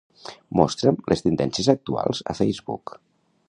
Mostra'm les tendències actuals a Facebook.